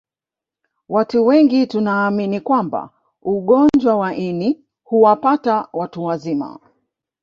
Watu wengi tunaamini kwamba ugonjwa wa ini huwapata watu wazima